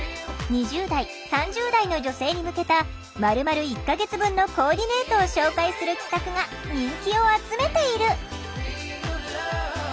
２０代３０代の女性に向けたまるまる１か月分のコーディネートを紹介する企画が人気を集めている。